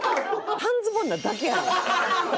半ズボンなだけやねん！